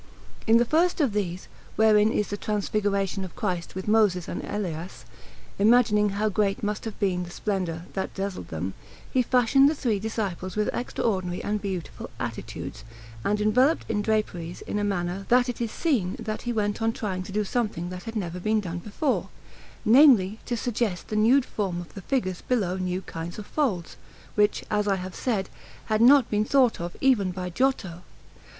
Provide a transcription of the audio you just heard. In the first of these, wherein is the Transfiguration of Christ with Moses and Elias, imagining how great must have been the splendour that dazzled them, he fashioned the three Disciples with extraordinary and beautiful attitudes, and enveloped in draperies in a manner that it is seen that he went on trying to do something that had never been done before namely, to suggest the nude form of the figures below new kinds of folds, which, as I have said, had not been thought of even by Giotto.